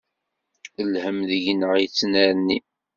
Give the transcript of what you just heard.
Lhem deg-neɣ yettnerni.